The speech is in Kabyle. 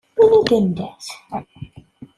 Ini-d anda-t!